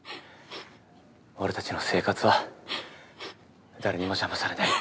俺たちの生活は誰にも邪魔されない。